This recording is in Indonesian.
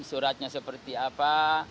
suratnya seperti apa